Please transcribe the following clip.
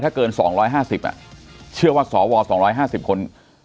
เกิน๒๕๐เชื่อว่าสว๒๕๐คน